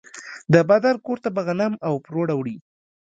د بادار کور ته به غنم او پروړه وړي.